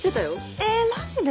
えっマジで？